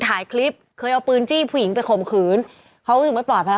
ถ่ายคลิปเคยเอาปืนจี้ผู้หญิงไปข่มขืนเขารู้สึกไม่ปลอดภัย